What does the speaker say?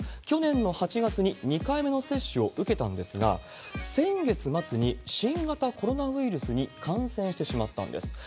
去年の８月に２回目の接種を受けたんですが、先月末に新型コロナウイルスに感染してしまったんです。